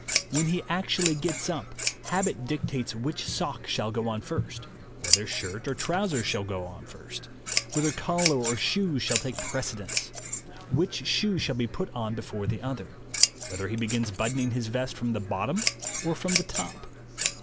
.When he actually gets up, habit dictates which sock shall go on first, whether shirt or trousers shall go on first, whether collar or shoes shall take precedence, which shoe shall be put on before the other, whether he begins buttoning his vest from the bottom or from the top.